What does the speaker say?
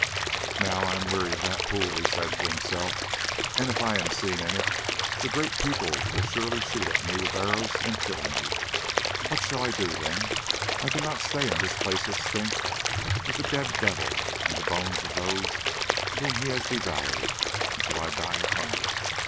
"Now I am weary of that pool," he said to himself, "and if I am seen in it the Great People will surely shoot at me with arrows and kill me. What shall I do, then? I cannot stay in this place of stinks with the dead devil and the bones of those whom he has devoured, until I die of hunger.